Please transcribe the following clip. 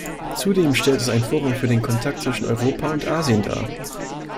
Zudem stellt es ein Forum für den Kontakt zwischen Europa und Asien dar.